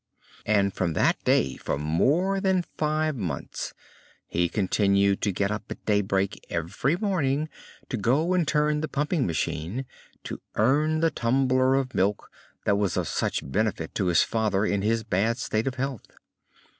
And from that day for more than five months he continued to get up at daybreak every morning to go and turn the pumping machine, to earn the tumbler of milk that was of such benefit to his father in his bad state of health.